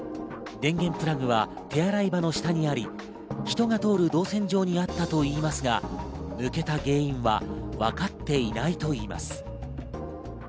電源プラグは手洗い場の下にあり人が通る動線上にあったといいますが、抜けた原因は分かっていないといいます。